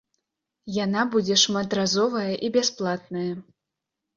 Яна будзе шматразовая і бясплатная.